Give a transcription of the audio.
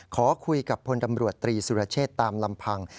ขอคุยกับพลตำรวจตรีสุรเชษตามลำพัง